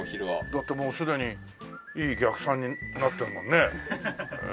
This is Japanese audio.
だってもうすでにいい逆三になってるもんね。